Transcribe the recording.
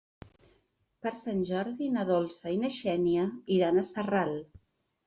Per Sant Jordi na Dolça i na Xènia iran a Sarral.